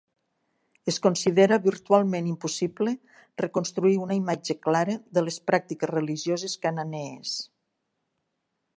Es considera virtualment impossible reconstruir una imatge clara de les pràctiques religioses cananees.